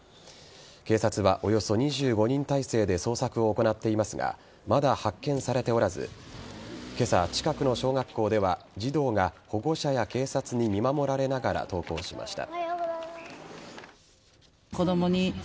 警察はおよそ２５人態勢で捜索を行っていますがまだ発見されておらず今朝、近くの小学校では児童が保護者や警察に見守られながら登校しました。